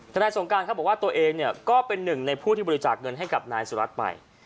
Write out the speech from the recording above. นายสงการเขาบอกว่าตัวเองเนี่ยก็เป็นหนึ่งในผู้ที่บริจาคเงินให้กับนายสุรัตน์ไป